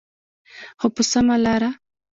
خو په سمه لاره.